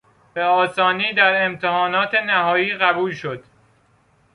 به آسانی در امتحانات نهایی قبول شد.